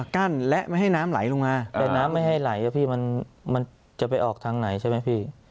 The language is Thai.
กั้นและไม่ให้น้ำไหลลงมาแต่น้ำไม่ให้ไหลอะพี่มันจะไปออกทางไหนใช่ไหมพี่